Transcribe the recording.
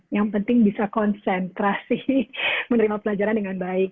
yang penting bisa konsentrasi menerima pelajaran dengan baik